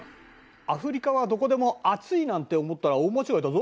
アフリカはどこでも暑いなんて思ったら大間違いだぞ。